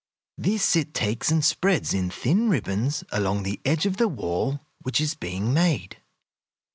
This it takes and spreads in thin ribbons along the edge of the wall which is being made.